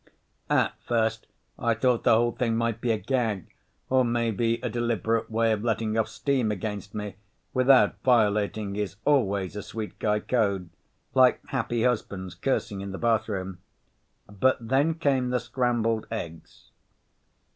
At first I thought the whole thing might be a gag, or maybe a deliberate way of letting off steam against me without violating his always a sweet guy code—like happy husbands cursing in the bathroom—but then came the scrambled eggs.